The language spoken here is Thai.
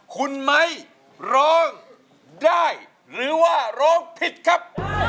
คุณไม้ร้องได้หรือว่าร้องผิดครับ